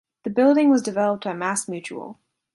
The building was developed by Mass Mutual.